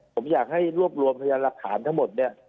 ผมอยากให้รวบรวมพยานหลักฐานทั้งหมดเนี่ย